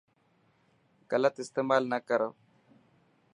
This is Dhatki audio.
گلت استيمال نا ڪرو.